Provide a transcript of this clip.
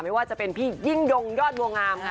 ไม่ว่าจะเป็นผู้ยิ่งดงยอดลวงงามค่ะ